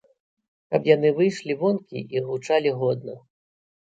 Каб яны выйшлі вонкі і гучалі годна.